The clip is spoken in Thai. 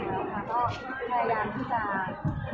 เวลาแรกพี่เห็นแวว